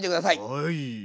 はい！